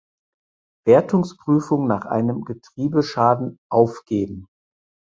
Wertungsprüfung nach einem Getriebeschaden aufgeben.